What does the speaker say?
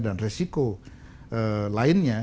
dan resiko lainnya